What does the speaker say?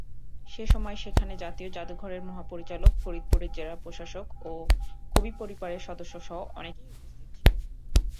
সেসময় সেখানে জাতীয় জাদুঘরের মহাপরিচালক, ফরিদপুরের জেলা প্রশাসক ও কবি পরিবারের সদস্যসহ অনেকেই উপস্থিত ছিলেন।